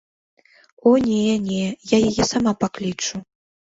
О не, не, я яе сама паклічу.